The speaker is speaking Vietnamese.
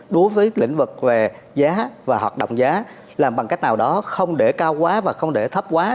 đối với lĩnh vực về giá và hoạt động giá làm bằng cách nào đó không để cao quá và không để thấp quá